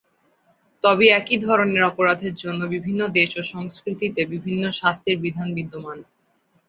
তবে একই ধরনের অপরাধের জন্য বিভিন্ন দেশ ও সংস্কৃতিতে বিভিন্ন শাস্তির বিধান বিদ্যমান।